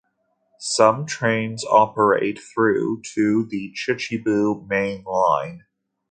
Some trains operate though to the Chichibu Main Line.